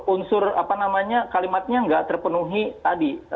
unsur apa namanya kalimatnya nggak terpenuhi tadi